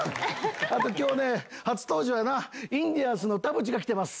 あときょうね、初登場やな、インディアンスの田渕が来てます。